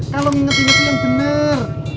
kalau nginget nginget yang bener